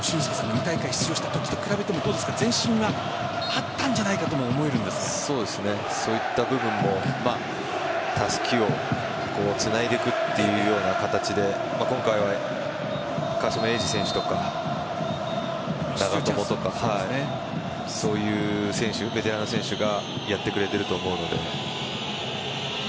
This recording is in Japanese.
２大会出場した時と比べて前進はあったんじゃないかともそういった部分もたすきをつないでいくというような形で今回は川島永嗣選手とか長友とかそういうベテランの選手がやってくれてると思うので。